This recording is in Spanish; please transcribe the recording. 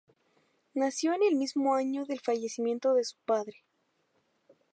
Nació en el mismo año del fallecimiento de su padre.